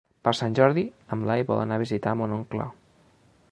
Per Sant Jordi en Blai vol anar a visitar mon oncle.